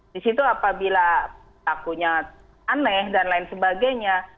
di situ apabila takutnya aneh dan lain sebagainya